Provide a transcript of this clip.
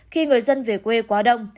khi người dân về quê quá đông